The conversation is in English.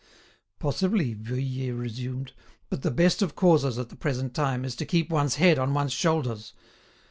"Possibly," Vuillet resumed; "but the best of causes at the present time is to keep one's head on one's shoulders."